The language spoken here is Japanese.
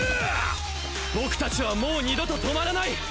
僕たちはもう二度と止まらない！